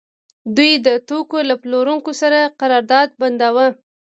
دوی د توکو له پلورونکو سره قرارداد بنداوه